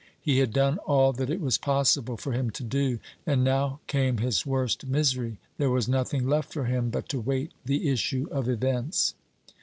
He had done all that it was possible for him to do, and now came his worst misery. There was nothing left for him but to wait the issue of events.